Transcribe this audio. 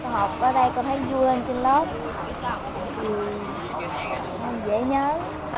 học ở đây con thấy vui lên trên lớp dễ nhớ